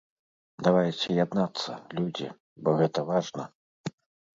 Давайце яднацца, людзі, бо гэта важна.